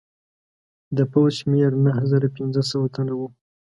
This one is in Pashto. د پوځ شمېر نهه زره پنځه سوه تنه وو.